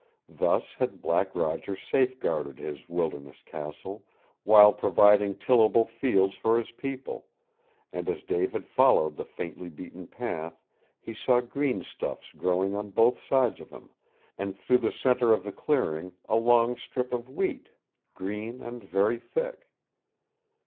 Thus had Black Roger safeguarded his wilderness castle, while providing tillable fields for his people; and as David followed the faintly beaten path, he saw green stuffs growing on both sides of him, and through the center of the clearing a long strip of wheat, green and very thick.